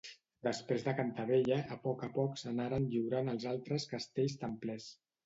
Després de Cantavella, a poc a poc s'anaren lliurant els altres castells templers.